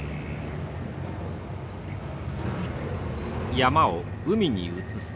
山を海に移す。